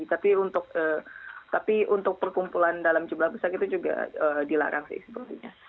tapi untuk tapi untuk perkumpulan dalam jumlah besar itu juga dilarang sih sepertinya